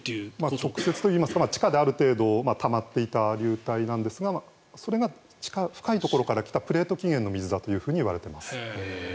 直接というか地下である程度たまっていた流体なんですがそれが地下深いところから来たプレート起源の水だといわれています。